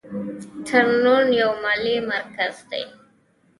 تورنټو یو مالي مرکز دی.